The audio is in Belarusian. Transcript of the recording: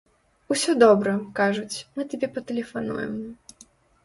Усё добра, кажуць, мы табе патэлефануем.